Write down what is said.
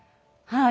はい。